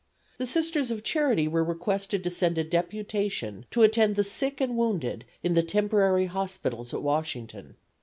The Sisters of Charity were requested to send a deputation to attend the sick and wounded in the temporary hospitals at Washington.